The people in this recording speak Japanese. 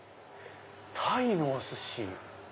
タイのおすし？